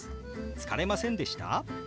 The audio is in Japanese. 「疲れませんでした？」。